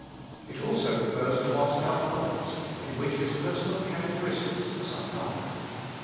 It also refers to what now follows, in which His personal characteristics are summed up.